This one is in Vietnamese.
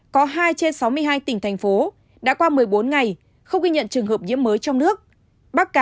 có hai trên sáu mươi hai tỉnh thành phố đã qua một mươi bốn ngày không ghi nhận trường hợp nhiễm mới trong nước